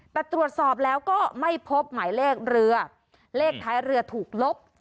แต่ตรวจสอบแล้วก็ไม่พบหมายเลขเรือเลขท้ายเรือถูกลบ